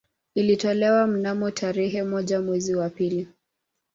Ilitolewa mnamo tarehe moja mwezi wa pili